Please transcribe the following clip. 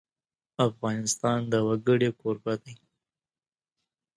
افغانستان د وګړي کوربه دی.